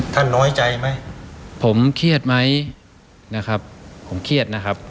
น้อยใจไหมผมเครียดไหมนะครับผมเครียดนะครับ